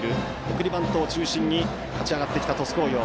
送りバントを中心に勝ち上がってきた鳥栖工業。